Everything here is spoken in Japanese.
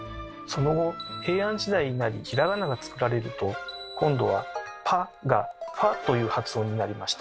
その後平安時代になりひらがなが作られると今度は「ぱ」が「ふぁ」という発音になりました。